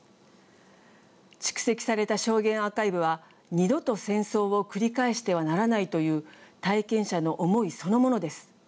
蓄積された証言アーカイブは二度と戦争を繰り返してはならないという体験者の思いそのものです。